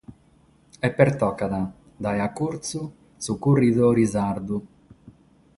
E pertocat dae a curtzu su curridore sardu.